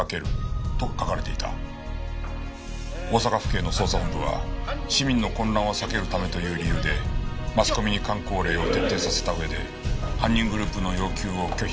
大阪府警の捜査本部は市民の混乱を避けるためという理由でマスコミにかん口令を徹底させたうえで犯人グループの要求を拒否。